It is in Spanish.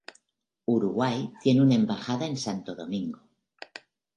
Uruguay tiene una embajada en Santo Domingo.